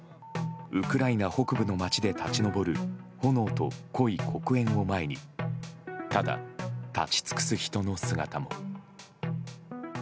ウクライナ北部の街で立ち上る炎と濃い黒煙を前にただ立ち尽くす人の姿も。